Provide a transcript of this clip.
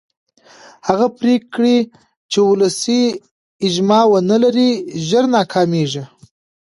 هغه پرېکړې چې ولسي اجماع ونه لري ژر ناکامېږي